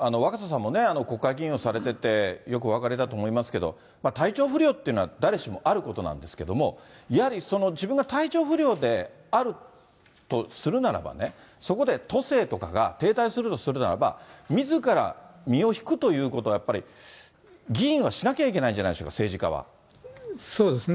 若狭さんも国会議員をされてて、よくお分かりだと思いますけれども、体調不良というのは誰しもあることなんですけど、やはりその自分が体調不良であるとするならばね、そこで都政とかが停滞するとするならば、身を引くということをやっぱり議員はしなきゃいけないんじゃないでしょうか、政治そうですね。